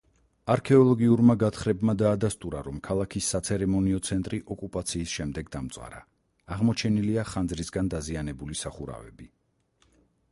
არქეოლოგიურმა გათხრებმა დაადასტურა, რომ ქალაქის საცერემონიო ცენტრი ოკუპაციის შემდეგ დამწვარა, აღმოჩენილია ხანძრისგან დაზიანებული სახურავები.